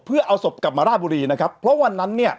เพื่อเอาศพกลับมาราบุรีนะครับเพราะวันนั้นเนี่ย